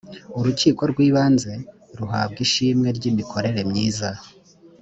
urukiko rw ibanze ruhabwa ishimwe ry’imikorere myiiza